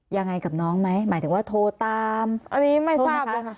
ยังไงกับน้องไหมหมายถึงว่าโทรตามอันนี้ไม่ทราบค่ะ